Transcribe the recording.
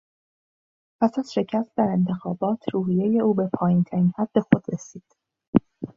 پس از شکست در انتخابات، روحیهی او به پایینترین حد خود رسید.